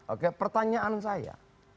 oke pertanyaan saya